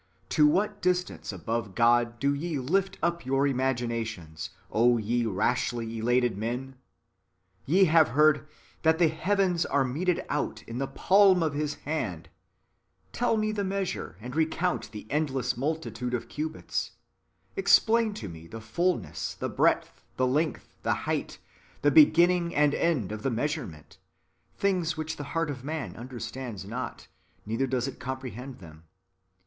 To what distance above God do ye lift up your imaginations, O ye rashly elated men ? Ye have heard " that the heavens are meted out in the palm of [His] hand :"^ tell me the measure, and recount the endless multitude of cubits, explain to me the fulness, the breadth, the length, the height, the beginning and end of the mea surement,— things which the heart of man understands not, neither does it comprehend them.